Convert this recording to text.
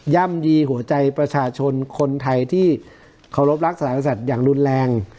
่ำยีหัวใจประชาชนคนไทยที่เคารพรักสถานกษัตริย์อย่างรุนแรง